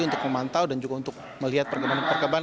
untuk memantau dan juga untuk melihat perkembangan